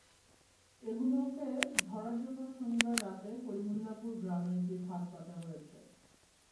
এগুলোকে ধরার জন্য শনিবার রাতে করিমুল্লাহপুর গ্রামে একটি ফাঁদ পাতা হয়েছে।